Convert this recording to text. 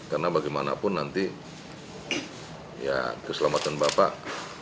karena bagaimanapun nanti ya keselamatan bapak